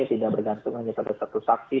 tidak bergantung hanya satu saksi